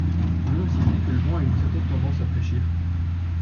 Non, si ce n’est que le vent a une certaine tendance à fraîchir.